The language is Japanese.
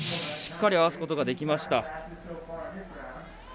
しっかり合わせることができました。